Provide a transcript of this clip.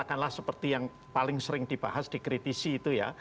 katakanlah seperti yang paling sering dibahas dikritisi itu ya